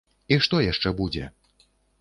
І што яшчэ будзе?